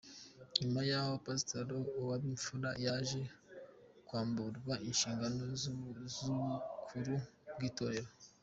Nyuma yaho Pastor Uwabimfura yaje kwamburwa inshingano z’ubukuru bw’itorero.